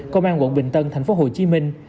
công an quận bình tân thành phố hồ chí minh